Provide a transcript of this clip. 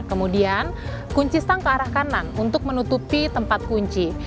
kemudian kunci stang ke arah kanan untuk menutupi tempat kunci